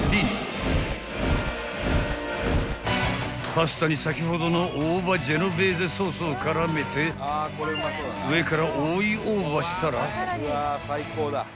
［パスタに先ほどの大葉ジェノベーゼソースを絡めて上から追い大葉したら］